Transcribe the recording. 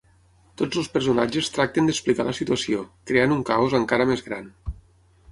Tots els personatges tracten d'explicar la situació, creant un caos encara més gran.